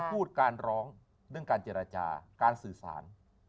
พูดการร้องเรื่องการเจรจาการสื่อสาร